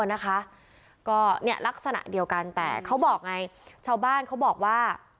หลักษณะเดียวกันแต่เจ้าบ้านเขาบอกว่า